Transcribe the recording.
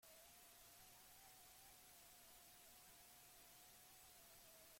Banaka bat geratu da entzule finarena eginez.